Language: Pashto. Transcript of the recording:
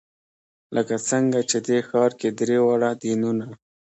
لکه څنګه چې دې ښار کې درې واړه دینونه.